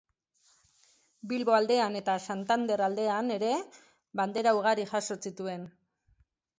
Bilbo aldean eta Santander aldean ere bandera ugari jaso zituen.